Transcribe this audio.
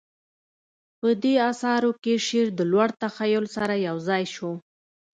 په دې اثارو کې شعر د لوړ تخیل سره یوځای شو